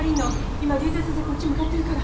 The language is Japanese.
今竜太先生こっち向かってるから。